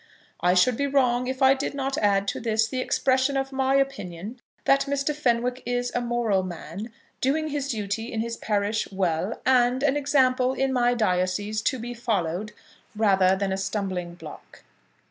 I should be wrong if I did not add to this the expression of my opinion that Mr. Fenwick is a moral man, doing his duty in his parish well, and an example in my diocese to be followed, rather than a stumbling block."